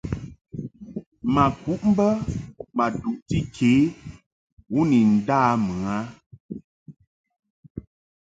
Ma kuʼ bə ma duʼti ke u ni nda mɨ a.